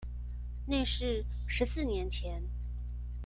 那是十四年前